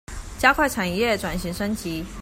加快產業轉型升級